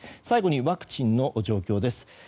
最後にワクチンの状況です。